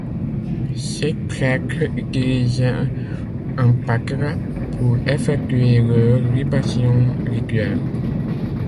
Ces prètres utilisaient un Patera pour effectuer leurs libations rituelles.